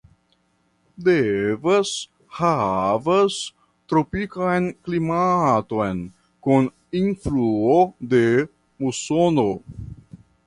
Devas havas tropikan klimaton kun influo de musono.